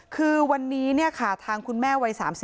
คือวันนี้เนี่ยค่ะทางคุณแม่วัย๓๘